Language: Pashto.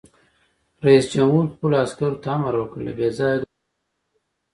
رئیس جمهور خپلو عسکرو ته امر وکړ؛ له بې ځایه ګرځېدو ډډه وکړئ!